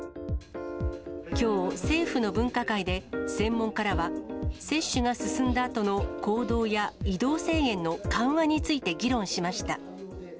きょう、政府の分科会で専門家らは、接種が進んだあとの行動や移動制限の緩和について議論しました。